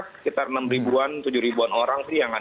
sekitar enam ribuan tujuh ribuan orang sih